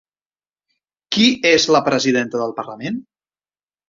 Qui és la presidenta del parlament?